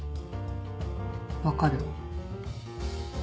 分かる？